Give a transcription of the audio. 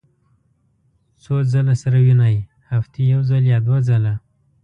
څو ځله سره وینئ؟ هفتې یوځل یا دوه ځله